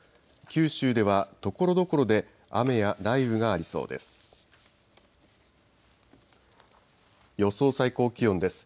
九州ではところどころで雨や雷雨がありそうです。